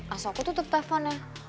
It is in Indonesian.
asal aku tutup teleponnya